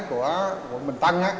của quận bình tân